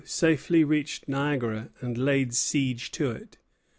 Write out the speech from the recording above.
Prideaux safely reached Niagara, and laid siege to it.